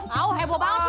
mau heboh banget lo